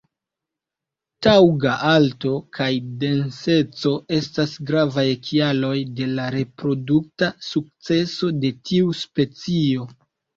Taŭga alto kaj denseco estas gravaj kialoj de la reprodukta sukceso de tiu specio.